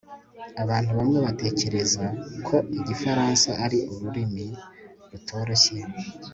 abantu bamwe batekereza ko igifaransa ari ururimi rutoroshye